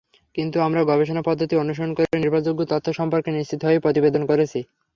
কিন্তু আমরা গবেষণাপদ্ধতি অনুসরণ করে নির্ভরযোগ্য তথ্য সম্পর্কে নিশ্চিত হয়েই প্রতিবেদন করেছি।